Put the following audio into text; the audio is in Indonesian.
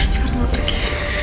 sekarang lo pergi